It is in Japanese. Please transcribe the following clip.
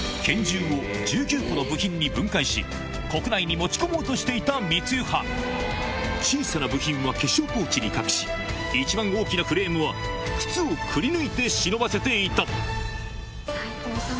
実はこの男国内に持ち込もうとしていた密輸犯小さな部品は化粧ポーチに隠し一番大きなフレームは靴をくりぬいて忍ばせていた斉藤さん